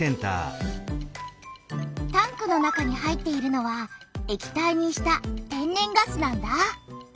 タンクの中に入っているのは液体にした天然ガスなんだ。